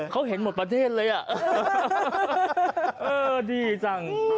เขาเห็นหมดประเทศเลยอ่ะ